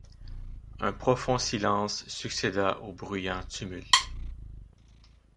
Un profond silence succéda au bruyant tumulte.